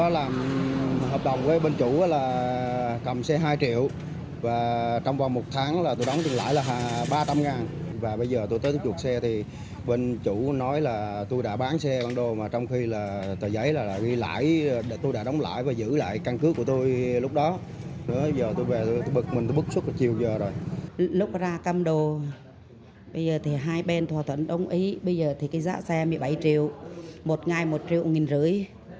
lúc ra cầm đồ bây giờ thì hai bên thỏa thuận đồng ý bây giờ thì cái giá xe một mươi bảy triệu một ngày một triệu nghìn rưỡi